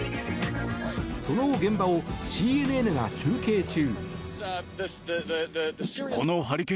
その現場をＣＮＮが中継中。